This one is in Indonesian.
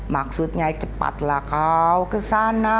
maksudnya cepatlah kau kesana